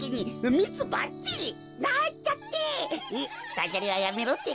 ダジャレはやめろってか？